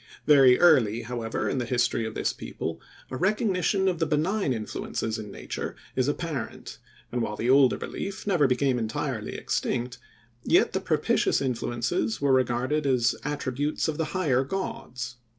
Very early, however, in the history of this people, a recognition of the benign influences in nature is apparent, and while the older belief never became entirely extinct, yet the propitious influences were regarded as attributes of the higher gods.